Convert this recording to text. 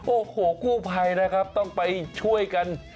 โอ้โหกู้ภัยนะครับต้องไปช่วยกัน